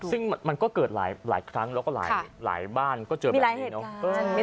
ซึ่งมันก็เกิดหลายครั้งแล้วก็หลายบ้านก็เจอแบบนี้เนอะ